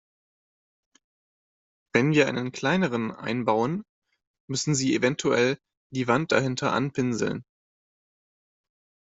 Wenn wir einen kleineren einbauen, müssten Sie eventuell die Wand dahinter anpinseln.